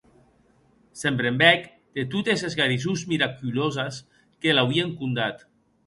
Se’n brembèc de totes es garisons miraculoses que l’auien condat.